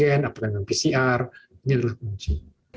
apakah mungkin dengan pcr ini harus dikunci